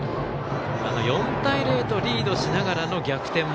４対０とリードしながらの逆転